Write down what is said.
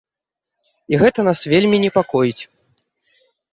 І гэта нас вельмі непакоіць.